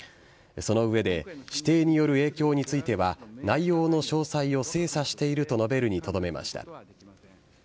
その上で、指定による影響については、内容の詳細を精査していると述べるにとどめました。